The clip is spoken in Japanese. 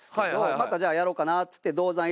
またじゃあやろうかなっつってＤＯＺＡＮ